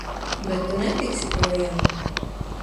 Bet tu netiksi projām!